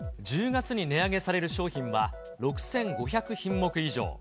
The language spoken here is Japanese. １０月に値上げされる商品は、６５００品目以上。